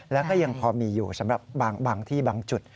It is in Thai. แล้วก็ยังพอมีอยู่สำหรับบางที่บางจุด